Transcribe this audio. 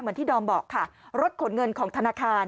ที่ดอมบอกค่ะรถขนเงินของธนาคาร